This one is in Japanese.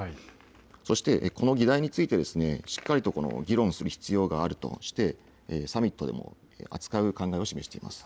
そして、この議題についてしっかりと議論する必要があるとしてサミットで扱う考えを示しています。